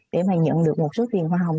để mà nhận được một số tiền hoa hồng